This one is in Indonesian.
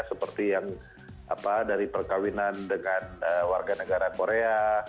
seperti yang dari perkawinan dengan warga negara korea